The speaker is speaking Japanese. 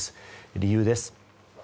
理由です。